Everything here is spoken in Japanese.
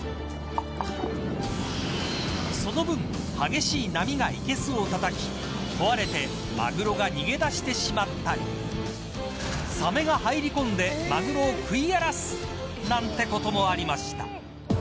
その分激しい波がいけすをたたき壊れてマグロが逃げ出してしまったりサメが入り込んでマグロを食い荒らすなんてこともありました。